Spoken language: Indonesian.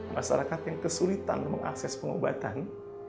masyarakat yang kesulitan mengakses pengobatan